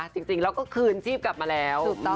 จริงแล้วก็คืนชีพกลับมาแล้ว